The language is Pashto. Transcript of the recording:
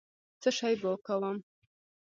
څشي به کوم.